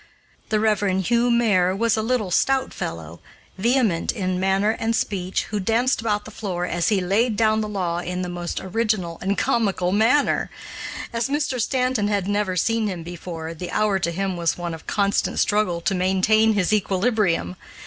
The Rev. Hugh Maire was a little stout fellow, vehement in manner and speech, who danced about the floor, as he laid down the law, in the most original and comical manner. As Mr. Stanton had never seen him before, the hour to him was one of constant struggle to maintain his equilibrium.